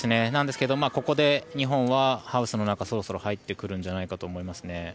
ここで日本はハウスの中そろそろ入ってくるんじゃないかと思いますね。